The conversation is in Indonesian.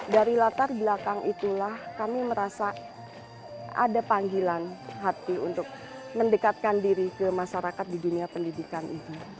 dari latar belakang itulah kami merasa ada panggilan hati untuk mendekatkan diri ke masyarakat di dunia pendidikan itu